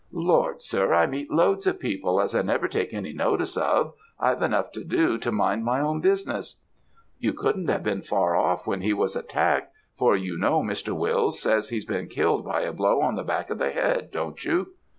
"'Lord, sir, I meet loads of people as I never take any notice of. I've enough to do to mind my own business.' "'You couldn't have been far off when he was attacked for you know Mr. Wills says he's been killed by a blow on the back of the head, don't you?'